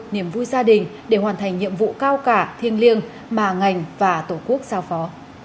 niềm vui gia đình để hoàn thành nhiệm vụ cao cả thiêng liêng mà ngành và tổ quốc giao phó